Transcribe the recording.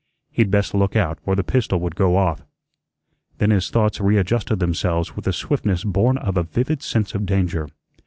He'd best look out or the pistol would go off. Then his thoughts readjusted themselves with a swiftness born of a vivid sense of danger.